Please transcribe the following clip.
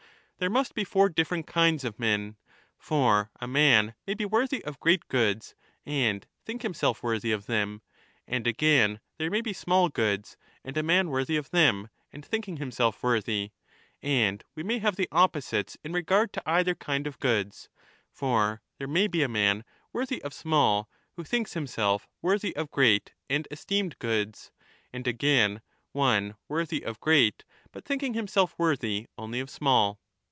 There must be four different kinds of men. For a man may be worthy of great goods and think himself worthy of them, and again there may be small goods and a man worthy of them and thinking himself worthy ; and we may have the opposites in regard to either kind of goods ; for there may be a man worthy of small who thinks himself 35 worthy of great and esteemed goods ; and, again, one worthy of great but thinking himself worthy only of small.